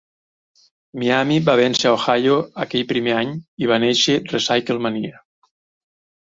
Miami va vèncer Ohio aquell primer any i va néixer RecycleMania.